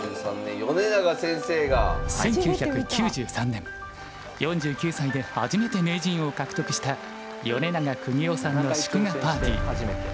１９９３年４９歳で初めて名人を獲得した米長邦雄さんの祝賀パーティー。